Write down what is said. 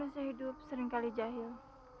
saya hidup seringkali jahil